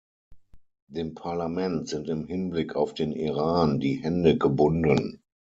Dem Parlament sind im Hinblick auf den Iran die Hände gebunden.